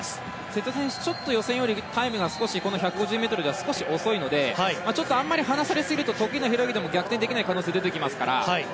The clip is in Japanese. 瀬戸選手、予選よりタイムが少し遅いのであまり離されすぎると得意の平泳ぎでも逆転ができない可能性が出てきますから。